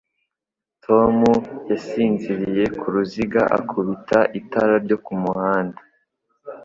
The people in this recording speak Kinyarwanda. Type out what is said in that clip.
Tom yasinziriye ku ruziga akubita itara ryo ku muhanda.